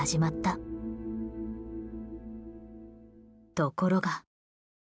ところが。